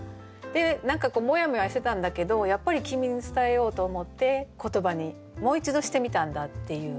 で何かこうモヤモヤしてたんだけどやっぱり君に伝えようと思って言葉にもう一度してみたんだっていう。